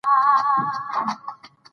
موږ باید د طبیعت ساتنې ته پام وکړو.